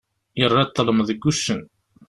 Yerra ṭṭlem deg uccen.